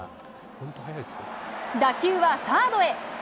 打球はサードへ。